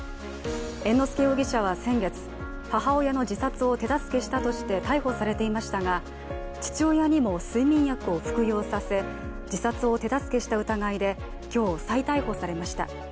猿之助容疑者は先月母親の自殺を手助けしたとして逮捕されていましたが、父親にも睡眠薬を服用させ自殺を手助けした疑いで今日、再逮捕されました。